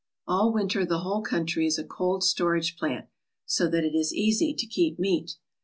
All winter the whole country is a cold storage plant, so that it is easy to keep meat.